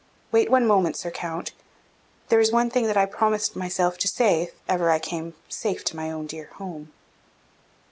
Wait one moment, Sir Count; there is one thing that I promised myself to say if ever I came safe to my own dear home.